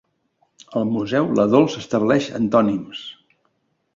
Al museu la Dols estableix antònims.